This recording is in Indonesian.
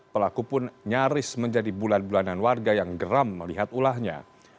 pelaku pun nyaris menjadi bulan bulanan warga yang geram melihat ulahnya